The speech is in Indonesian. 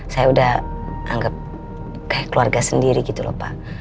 saya udah anggap kayak keluarga sendiri gitu loh pak